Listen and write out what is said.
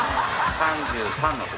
３３の時。